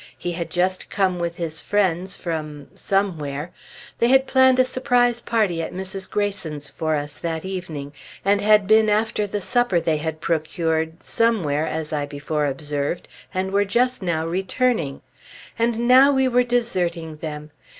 He had just come with his friends from somewhere. They had planned a surprise party at Mrs. Greyson's for us that evening, and had been after the supper they had procured somewhere, as I before observed, and were just now returning. And now we were deserting them!